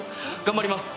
頑張ります！